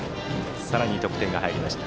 さらに得点が入りました。